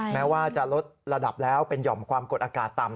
แม้ว่าจะลดระดับแล้วเป็นห่อมความกดอากาศต่ำ